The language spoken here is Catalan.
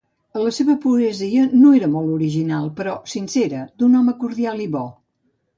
La seva poesia no era molt original, però sincera, d'un home cordial i bo.